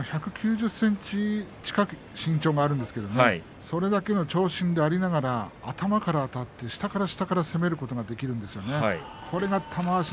１９０ｃｍ近く身長があるんですがそれだけの長身で頭からあたって下から下から攻めることができます。